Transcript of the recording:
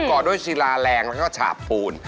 ่อด้วยศิลาแรงแล้วก็ฉาบปูน